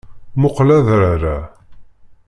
Muqel adrar-a.